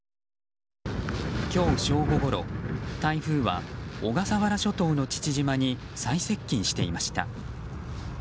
今日正午ごろ、台風は小笠原諸島の父島に最接近していました。